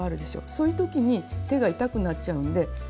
そういう時に手が痛くなっちゃうんでへえ？